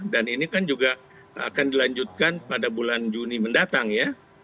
dan ini kan juga akan dilanjutkan pada bulan juni mendatang ya